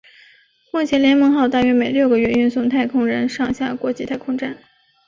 目前联盟号大约每六个月运送太空人上下国际太空站。